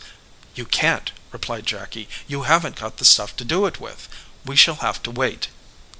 "You can t," replied Jacky ; "you haven t got the stuff to do it with. We shall have to wait."